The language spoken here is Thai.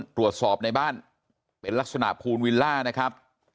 ตรวจสอบในบ้านเป็นลักษณะภูนวิลล่านะครับ